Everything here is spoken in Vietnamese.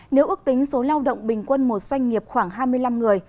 nếu ước tính số lao động bình quân một doanh nghiệp khoảng hai mươi năm người